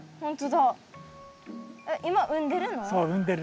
そう産んでるの。